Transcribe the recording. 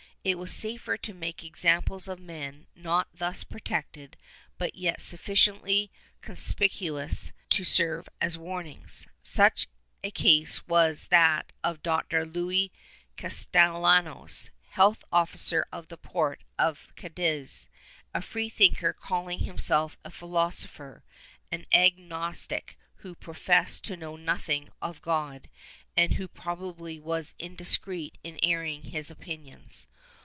It was safer to make examples of men not thus protected but yet sufficiently conspic uous to serve as warnings. Such a case was that of Dr. Luis Castel lanos, health officer of the port of Cadiz — a free thinker calling himself a philosopher, an agnostic who professed to know nothing of God and who probably was indiscreet in airing his opinions.